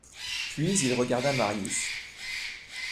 Puis il regarda Marius.